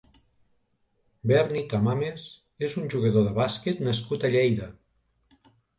Berni Tamames és un jugador de bàsquet nascut a Lleida.